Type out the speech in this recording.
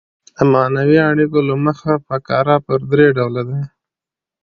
د معنوي اړیکو له مخه فقره پر درې ډوله ده.